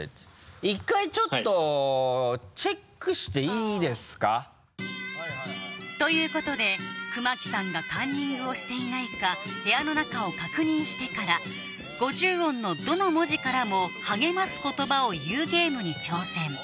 １回ちょっとチェックしていいですか？ということで熊木さんがカンニングをしていないか部屋の中を確認してから５０音のどの文字からも励ます言葉を言うゲームに挑戦